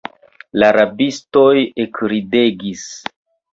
La rabistoj ekridegis.